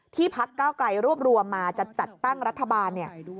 พักเก้าไกลรวบรวมมาจะจัดตั้งรัฐบาลเนี่ย